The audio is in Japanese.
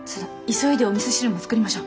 急いでおみそ汁も作りましょう。